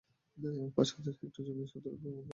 পাঁচ হাজার হেক্টর জমির সদ্য রোপণ করা আমন ধান তলিয়ে গেছে।